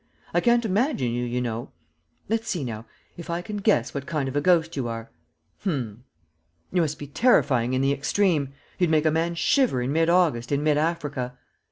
I can't imagine you, you know. Let's see, now, if I can guess what kind of a ghost you are. Um! You must be terrifying in the extreme you'd make a man shiver in mid August in mid Africa.